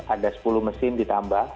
ada sepuluh mesin ditambah